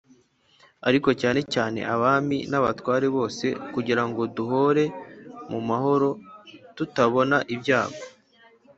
ariko cyane cyane abami n’abatware bose kugira ngo duhore mu mahoro tutabona ibyago